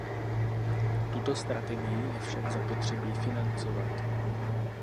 Tuto strategii je však zapotřebí financovat.